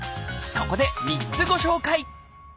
そこで３つご紹介！